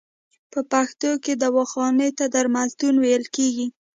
په پښتو کې دواخانې ته درملتون ویل کیږی.